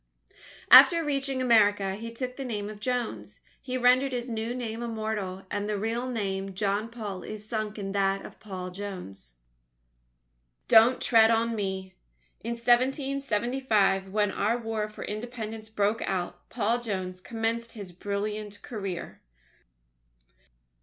After reaching America, he took the name of Jones. He rendered his new name immortal, and the real name John Paul is sunk in that of Paul Jones. J. T. Headley (Arranged) DON'T TREAD ON ME! In 1775, when our War for Independence broke out, Paul Jones commenced his brilliant career.